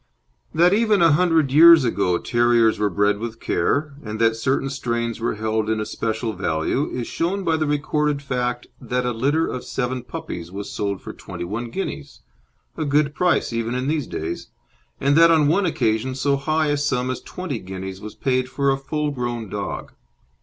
That even a hundred years ago terriers were bred with care, and that certain strains were held in especial value, is shown by the recorded fact that a litter of seven puppies was sold for twenty one guineas a good price even in these days and that on one occasion so high a sum as twenty guineas was paid for a full grown dog.